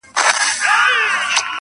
عزارییله پښه نیولی قدم اخله-